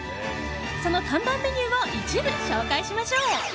その看板メニューを一部紹介しましょう。